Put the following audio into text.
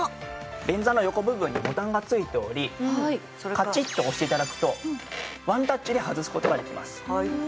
便座の横部分にボタンが付いておりカチッと押して頂くとワンタッチで外す事ができます。